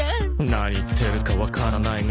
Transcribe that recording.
「何言ってるかわからないな」